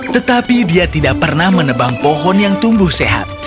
tetapi dia tidak pernah menebang pohon yang tumbuh sehat